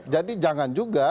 jadi jangan juga